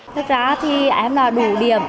thật ra thì em là đủ điểm